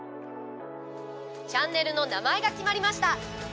チャンネルの名前が決まりました。